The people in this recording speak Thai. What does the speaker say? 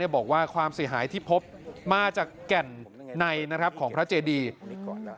บอกว่าความเสียหายที่พบมาจากแก่นในของพระเจดีก่อน